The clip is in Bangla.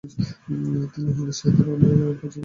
তিনি হিন্দী সাহিত্যের উন্নয়ন ও প্রচারে বিশেষ সহায়তা করেন।